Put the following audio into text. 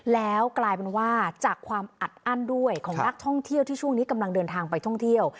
แล้วกลายเป็นว่าจากความอัดอั้นด้วยของนักท่องเที่ยวที่ช่วงนี้กำลังเดินทางไปท่องเที่ยว